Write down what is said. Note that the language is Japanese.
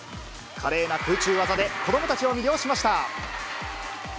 華麗な空中技で子どもたちを魅了しました。